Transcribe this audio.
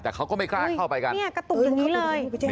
แต่เขาก็ไม่กล้าเข้าไปกัน